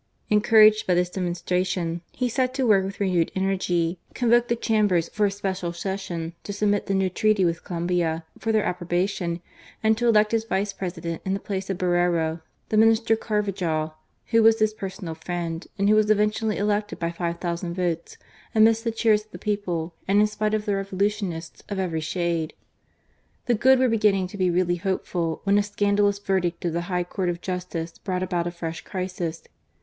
En couraged by this denionstration, he set to work with renewed energy, convoked the Chambers for a special session to submit the new treaty with Colombia for their approbation and to elect as Vice President, in the place of Borrero, the Minister Garvajal, who was his personal friend and who was eventually elected by five thousand votes, amidst the cheers of the people and in spite of the Revolutionists of every shade. The good were beginning to be really, hopeful, when a scandalous verdict of the High Court of Justice brought about a fresh crisis.